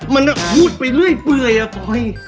มันพูดไปเรื่อยเปื่อยอะปลอย